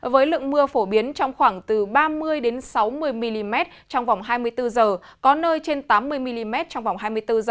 với lượng mưa phổ biến trong khoảng từ ba mươi sáu mươi mm trong vòng hai mươi bốn h có nơi trên tám mươi mm trong vòng hai mươi bốn h